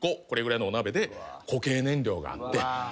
これぐらいのお鍋で固形燃料があって。